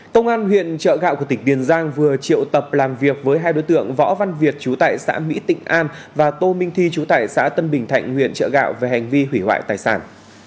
công an huyện trợ gạo của tỉnh tiền giang vừa triệu tập làm việc với hai đối tượng võ văn việt chú tại xã mỹ tịnh an và tô minh thi chú tại xã tân bình thạnh huyện chợ gạo về hành vi hủy hoại tài sản